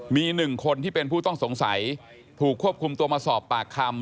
มี๑คนที่เป็นผู้ต้องสงสัยถูกควบคุมตัวมาสอบปากคำ